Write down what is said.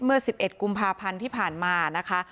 เมื่อ๑๑กพที่ผ่านมานะคะ